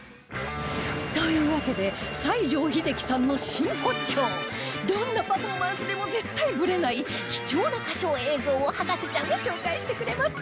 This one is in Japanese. というわけで西城秀樹さんの真骨頂どんなパフォーマンスでも絶対ブレない貴重な歌唱映像を博士ちゃんが紹介してくれます